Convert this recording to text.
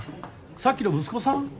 さっきの息子さん？